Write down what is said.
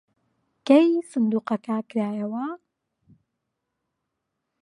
کەی سندووقەکە کرایەوە؟